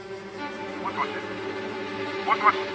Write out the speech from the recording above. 「もしもし？もしもし？」